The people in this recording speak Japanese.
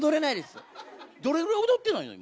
どれぐらい踊ってないの？